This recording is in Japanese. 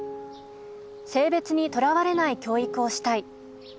「性別に囚われない教育をしたい。